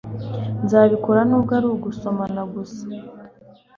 nzabikora nubwo ari ugusomana gusa